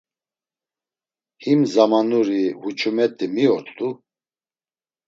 Him zamanuri huçumet̆i mi ort̆u?